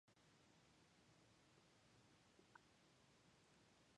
How many calories did I cause them to collectively expend?